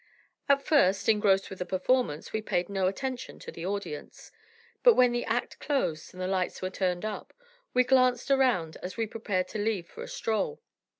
At first, engrossed with the performance, we paid no attention to the audience; but when the act closed and the lights were turned up, we glanced around as we prepared to leave for a stroll.